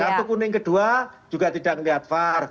kartu kuning kedua juga tidak melihat var